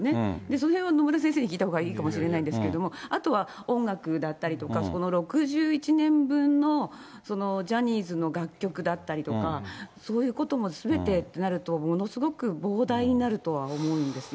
そのへんは野村先生に聞いたほうがいいかもしれないんですけれども、あとは音楽だったりとか、その６１年分のジャニーズの楽曲だったりとか、そういうこともすべてってなると、ものすごく膨大になるとは思うんですよ。